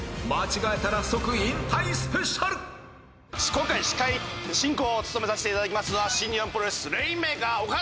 今回司会進行を務めさせていただきますのは新日本プロレスレインメーカーオカダ・カズチカと。